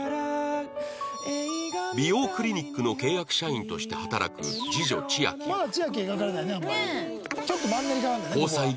美容クリニックの契約社員として働く次女千秋は